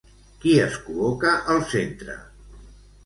Qui es col·loca al centre?